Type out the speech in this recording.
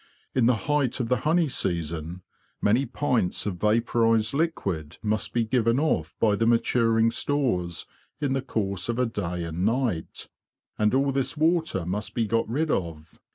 In the height of the honey season many pints of vaporised liquid must be given off by the maturing stores in the course of a day and night, and all this water must be got rid of.